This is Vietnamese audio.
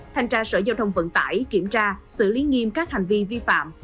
thanh tra sở giao thông vận tải kiểm tra xử lý nghiêm các hành vi vi phạm